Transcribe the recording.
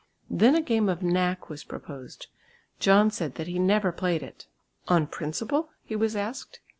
Then a game of "knack" was proposed. John said that he never played it. "On principle?" he was asked.